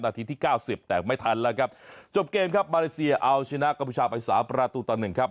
ที่เก้าสิบแตกไม่ทันแล้วครับจบเกมครับมาเลเซียเอาชนะกัมพูชาไปสามประตูต่อหนึ่งครับ